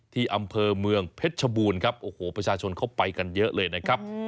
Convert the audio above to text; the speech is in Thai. ที่อำเภอเมืองเพชรชบูรณ์ครับโอ้โหประชาชนเข้าไปกันเยอะเลยนะครับ